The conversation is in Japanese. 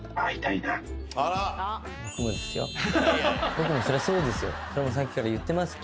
僕もそりゃそうですよ。